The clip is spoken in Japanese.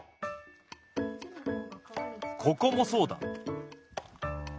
ここもそうだ！